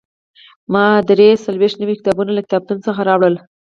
ما درې څلوېښت نوي کتابونه له کتابتون څخه راوړل.